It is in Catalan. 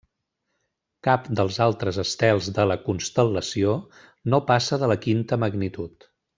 Cap dels altres estels de la constel·lació no passa de la quinta magnitud.